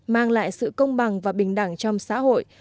mang lại sự công bằng và bình đẳng trong xã hội